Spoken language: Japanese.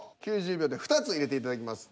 ９０秒で２つ入れていただきます。